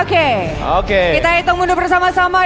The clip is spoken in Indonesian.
oke oke kita hitung bersama sama ya